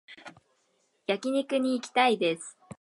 焼肉に行きたいです